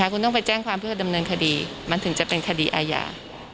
คุณต้องไปแจ้งความเพื่อดำเนินคดีมันถึงจะเป็นคดีอาญา